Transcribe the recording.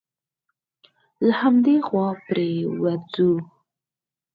له همدې خوا پرې ورځو.